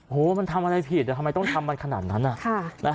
โหมันทำอะไรผิดทำไมต้องทำมันขนาดนั้น